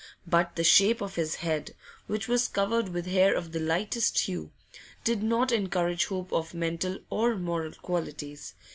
But the shape of his head, which was covered with hair of the lightest hue, did not encourage hope of mental or moral qualities.